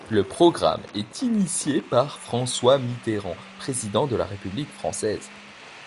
Le programme est initié par François Mitterrand, président de la République française.